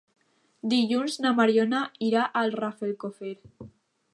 Dilluns na Mariona irà a Rafelcofer.